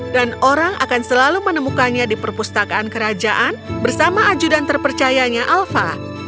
dan orang akan selalu menemukannya di perpustakaan kerajaan bersama ajudan terpercayanya alva